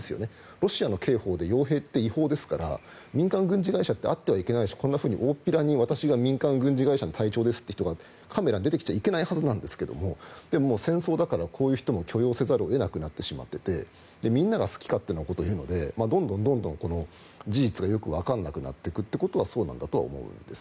ロシアの刑法で傭兵って違法ですから民間軍事会社ってあってはいけないしこんなふうに私が民間軍事会社の隊長ですという人が出てきちゃいけないんですが戦争だから許容せざるを得なくなっていてみんなが好き勝手なことを言うのでどんどん事実がよくわからなくなっていくことはそうなんだと思うんです。